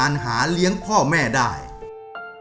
ควันมันก็จะเข้าตามาประมาณ๒๐ปี